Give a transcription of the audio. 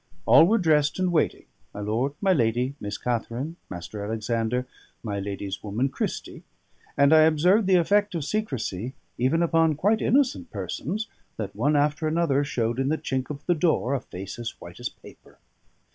All were dressed and waiting my lord, my lady, Miss Katharine, Mr. Alexander, my lady's woman Christie; and I observed the effect of secrecy even upon quite innocent persons, that one after another showed in the chink of the door a face as white as paper.